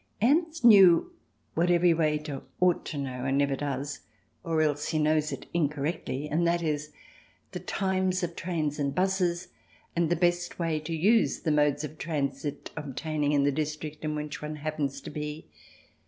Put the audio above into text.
Ernst knew what every waiter ought to know and never does, or else he knows it incorrectly, and that is the times of trains and buses, and the best way to use the modes of transit obtaining in the district in which one happens to be.